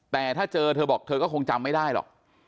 แต่ถ้าเจอมันจะบอกว่าเธอก็คงจำไม่ได้เลย